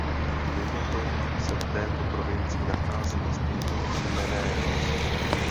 Mimo to se v této provincii nachází i stejnojmenné město.